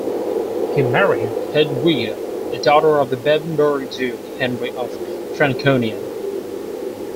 He married Hedwiga, a daughter of the Babenberg duke Henry of Franconia.